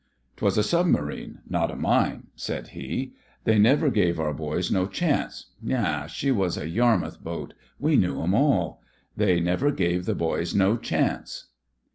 " 'Twas a submarine. Not a mine," said he. "They never gave our boys no chance. Na! She was a Yar mouth boat — we knew 'em all. They never gave the boys no chance."